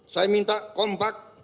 saya minta kompak